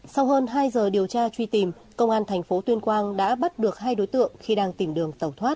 sau hơn hai giờ điều tra truy tìm công an tp tuyên quang đã bắt được hai đối tượng khi đang tìm đường tàu thoát